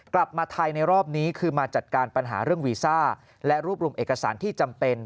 กลับมาไทยในรอบนี้คือมาจัดการปัญหาเรื่องวีซ่าและรวบรวมเอกสารที่จำเป็น